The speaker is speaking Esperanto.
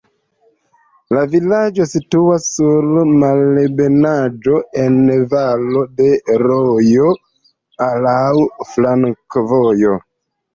La vilaĝo situas sur malebenaĵo, en valo de rojo, laŭ flankovojoj.